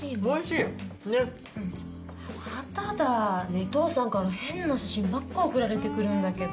お父さんから変な写真ばっか送られて来るんだけど。